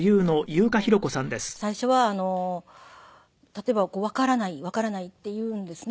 最初は例えばわからないわからないって言うんですね